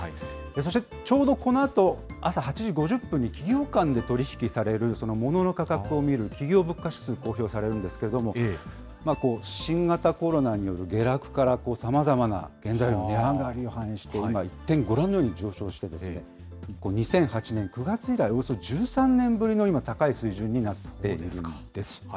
そしてちょうどこのあと、朝８時５０分に企業間で取り引きされるモノの価格を見る企業物価指数、公表されるんですけれども、新型コロナによる下落からさまざまな原材料の値上がりを反映して、一転、ご覧のように上昇して、２００８年９月以来、およそ１３年ぶりの今、高い水準になっているんです。